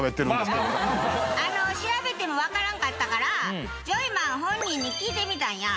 調べてもわからんかったからジョイマン本人に聞いてみたんや。